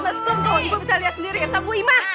bu ida bisa liat sendiri ya sama bu imah